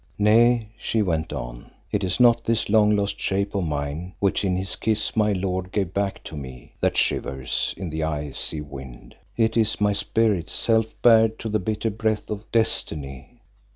"Nay," she went on, "it is not this long lost shape of mine, which in his kiss my lord gave back to me, that shivers in the icy wind, it is my spirit's self bared to the bitter breath of Destiny.